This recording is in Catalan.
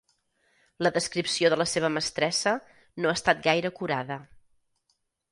La descripció de la seva mestressa no ha estat gaire acurada.